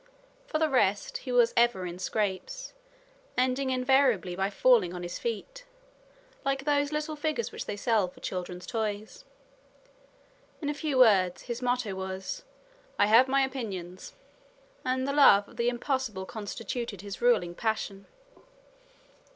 For the rest, he was ever in scrapes, ending invariably by falling on his feet, like those little figures which they sell for children's toys. In a few words, his motto was "I have my opinions," and the love of the impossible constituted his ruling passion.